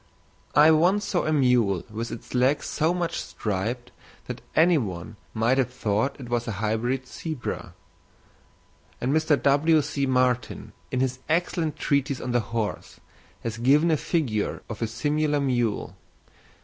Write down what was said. I once saw a mule with its legs so much striped that any one might have thought that it was a hybrid zebra; and Mr. W.C. Martin, in his excellent treatise on the horse, has given a figure of a similar mule.